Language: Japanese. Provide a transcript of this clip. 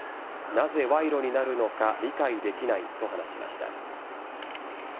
なぜ賄賂になるのか理解できないと話しました。